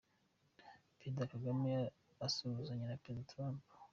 Perezida Kagame asuhuzanya na Perezida Trump.